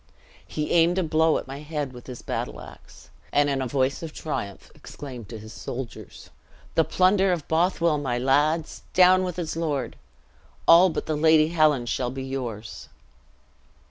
"He aimed a blow at my head with his battle ax, and in a voice of triumph exclaimed to his soldiers, 'The plunder of Bothwell, my lads! Down with its lord! All but the lady Helen shall be yours!"